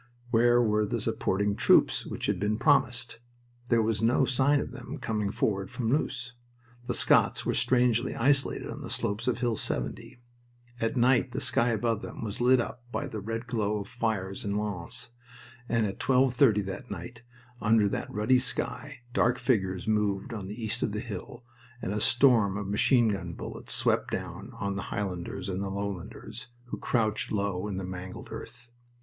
Where were the supporting troops which had been promised? There was no sign of them coming forward from Loos. The Scots were strangely isolated on the slopes of Hill 70. At night the sky above them was lit up by the red glow of fires in Lens, and at twelve thirty that night, under that ruddy sky, dark figures moved on the east of the hill and a storm of machine gun bullets swept down on the Highlanders and Lowlanders, who crouched low in the mangled earth.